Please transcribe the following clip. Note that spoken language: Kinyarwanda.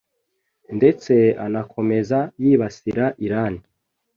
ndetse anakomeza yibasira Iran